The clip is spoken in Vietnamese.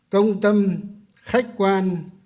công tâm khách quan